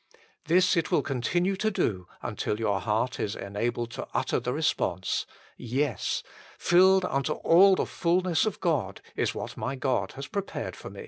This it will continue to do until your heart is enabled to utter the response :" Yes : FILLED UNTO ALL THE FULNESS OF GOD is what my God has prepared for me."